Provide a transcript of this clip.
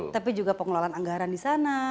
tapi juga pengelolaan anggaran di sana